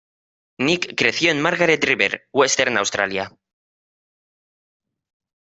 Nic creció en Margaret River, Western Australia.